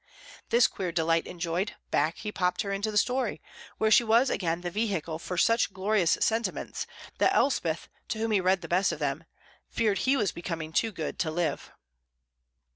This queer delight enjoyed, back he popped her into the story, where she was again the vehicle for such glorious sentiments that Elspeth, to whom he read the best of them, feared he was becoming too good to live.